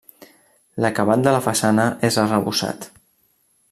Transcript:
L'acabat de la façana és arrebossat.